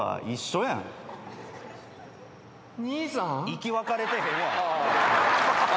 生き別れてへん。